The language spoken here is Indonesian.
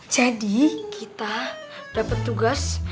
jadi kita dapat tugas